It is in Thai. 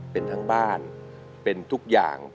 เป็นทั้งบ้านเป็นทุกอย่าง